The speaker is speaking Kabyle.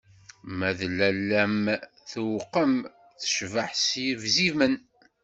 Ma d lalla-m tewqem, tecbeḥ s yebzimen.